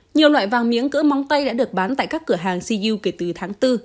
nhiều loại vàng miếng cỡ móng tay đã được bán tại các cửa hàng cu kể từ tháng bốn